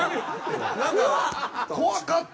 なんか怖かった！